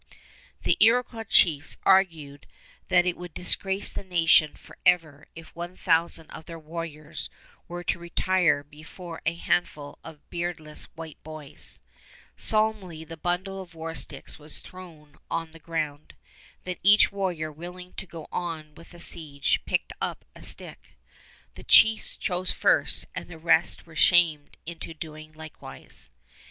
The Iroquois chiefs argued that it would disgrace the nation forever if one thousand of their warriors were to retire before a handful of beardless white boys. Solemnly the bundle of war sticks was thrown on the ground. Then each warrior willing to go on with the siege picked up a stick. The chiefs chose first and the rest were shamed into doing likewise.